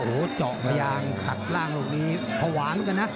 โหเจาะอย่างตัดล่างลูกนี้หวานกันนะ